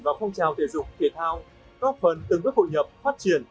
và phong trào thể dục thể thao góp phần từng bước phụ nhập phát triển